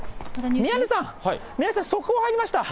宮根さん、宮根さん、速報入りました。